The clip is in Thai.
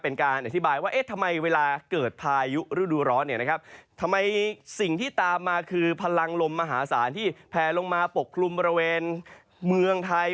เป็นการอธิบายว่าเอ๊ะทำไมเวลาเกิดพายุฤดูร้อนเนี่ยนะครับทำไมสิ่งที่ตามมาคือพลังลมมหาศาลที่แพลลงมาปกคลุมบริเวณเมืองไทย